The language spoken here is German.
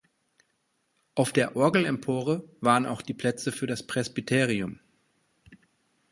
Auf der Orgelempore waren auch die Plätze für das Presbyterium.